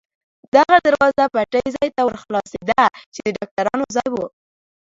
دغه دروازه پټۍ ځای ته ور خلاصېده، چې د ډاکټرانو ځای و.